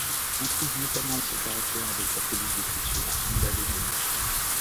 On trouve notamment ce caractère avec la police d'écriture Andale Mono.